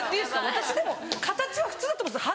私でも形は普通だと思うんです。